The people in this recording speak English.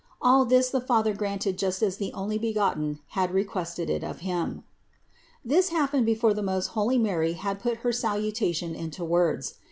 All this the Father granted just as the Onlybegotten had requested it of Him. 218. This happened before the most holy Mary had put her salutation into words.